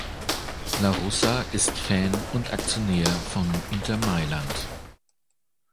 La Russa ist Fan und Aktionär von Inter Mailand.